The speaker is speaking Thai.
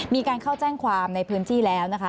มีการเข้าแจ้งความในพื้นที่แล้วนะคะ